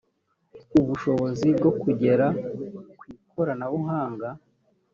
ubushobozi bwo kugera ku ikoranabuhanga